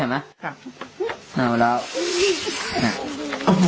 นี่เห็นจริงตอนนี้ต้องซื้อ๖วัน